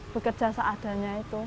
bekerja seadanya itu